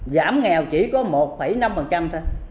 giảm nghèo chỉ có một năm thôi